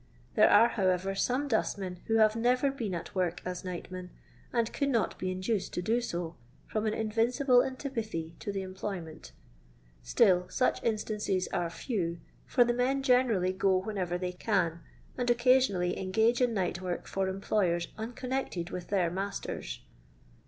There are, however, some dustmen who have never been at work as nightmen, and could not be induced to do so, bom an invincible antipathy to the employment ; still, such instances are few, for the men generally go whenever they can, and occasionally engage in Bightwork for employers unconnected with their masters.